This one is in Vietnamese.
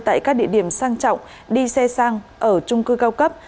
tại các địa điểm sang trọng đi xe sang ở trung cư cao cấp